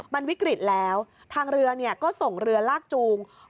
มันวิกฤตแล้วทางเรือก็ส่งเรือลากจูง